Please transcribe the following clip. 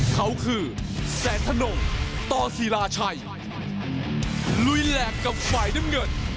เขาคือแสนธนงต่อศิราชัยลุยแหลกกับฝ่ายน้ำเงิน